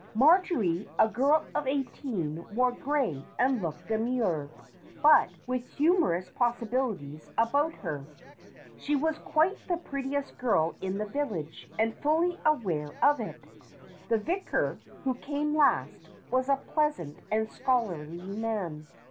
Mar jory, a girl of eighteen, wore gray and looked demure, but with humorous possibilities about her. She was quite the prettiest girl in the village, and fully aware of it. The vicar, who came last, was a pleasant and scholarly man.